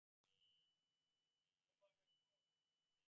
ঘুম ভাঙবে কখন?